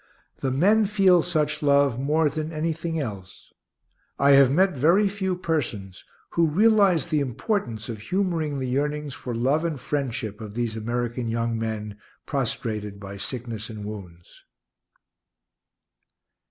The men feel such love more than anything else. I have met very few persons who realize the importance of humoring the yearnings for love and friendship of these American young men, prostrated by sickness and wounds.